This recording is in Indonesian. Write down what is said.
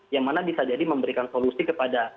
yang mana bisa jadi memberikan solusi kepada